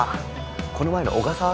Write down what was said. この前の小笠原？